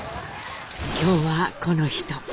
今日はこの人。